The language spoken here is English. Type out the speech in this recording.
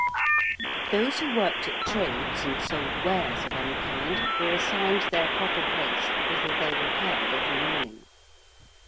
Those who worked at trades and sold wares of any kind were assigned their proper place whither they repaired every morning.